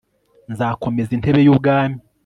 nzakomeza intebe y'ubwami